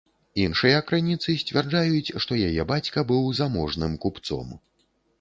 Іншыя крыніцы сцвярджаюць, што яе бацька быў заможным купцом.